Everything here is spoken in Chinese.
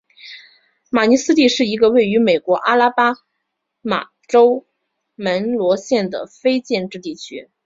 马尼斯蒂是一个位于美国阿拉巴马州门罗县的非建制地区。